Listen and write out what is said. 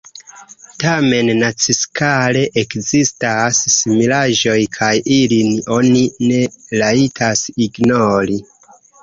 Tamen naciskale ekzistas similaĵoj, kaj ilin oni ne rajtas ignori.